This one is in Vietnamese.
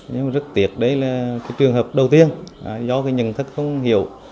nhưng rất tiếc đây là trường hợp đầu tiên do nhận thức không hiểu